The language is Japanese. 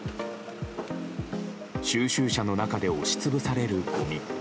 収集車の中で押し潰されるごみ。